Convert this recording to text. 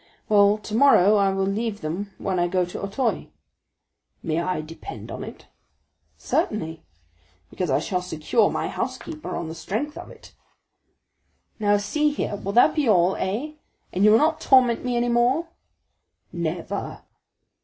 "Well, tomorrow I will leave them when I go to Auteuil." "May I depend on it?" "Certainly." "Because I shall secure my housekeeper on the strength of it." "Now see here, will that be all? Eh? And will you not torment me any more?" "Never."